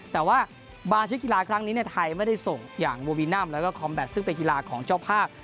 แต่ว่าบางชิ้นกีฬาครั้งนี้ไทยไม่ได้ส่งอย่างโววินัมแล้วก็คอมแบตซึ่งเป็นกีฬาของเจ้าภาพ